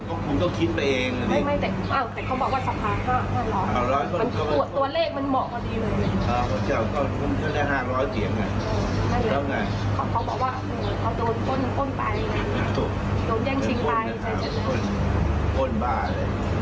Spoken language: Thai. โอ้นไปเลยนะครับผมยังชิงไปใช่นะครับโอ้นบ้าเลย